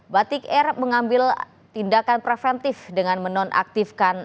batik air mengambil tindakan preventif dengan menonaktifkan